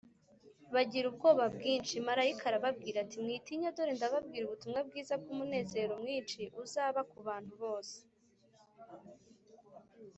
: bagira ubwoba bwinshi. Marayika arababwira ati “Mwitinya, dore ndababwira ubutumwa bwiza bw’umunezero mwinshi uzaba ku bantu bose